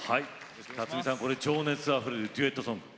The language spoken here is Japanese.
辰巳さん、情熱あふれるデュエットソング。